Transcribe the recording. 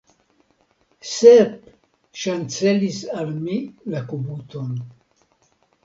Sep ŝancelis al mi la kubuton.